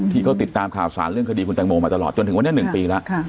ที่เขาติดตามข่าวสารเรื่องคดีคุณแตงโมมาตลอดจนถึงวันนี้๑ปีแล้ว